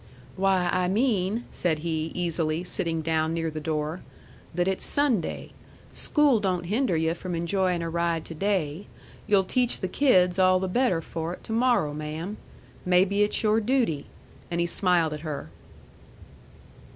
"Why, I mean," said he, easily, sitting down near the door, "that it's Sunday. School don't hinder yu' from enjoyin' a ride to day. You'll teach the kids all the better for it to morro', ma'am. Maybe it's your duty." And he smiled at her.